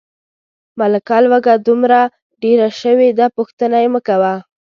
ملکه لوږه دومره ډېره شوې ده، پوښتنه یې مکوه.